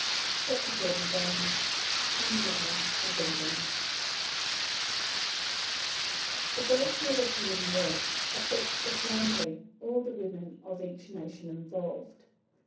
CHAPTER XXXI QUEEN MARY OF ENGLAND The great European war affects profoundly all the women of each nation involved.